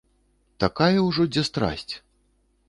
Такая ўжо дзе страсць.